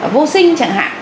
vô sinh chẳng hạn